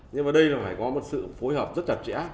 nhưng mà đây là phải có một sự phối hợp rất chặt chẽ